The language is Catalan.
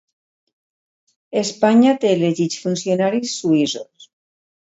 Espanya té elegits funcionaris suïssos.